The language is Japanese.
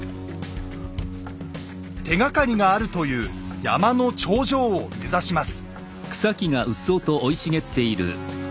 手がかりがあるという山の頂上を目指します。